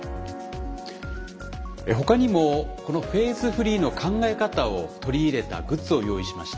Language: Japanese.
ほかにもこのフェーズフリーの考え方を取り入れたグッズを用意しました。